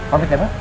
amin ya pak